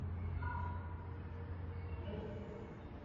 据潘石屹在微博上曾经自述大伯潘钟麟是掉进黄河。